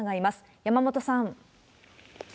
山本さん。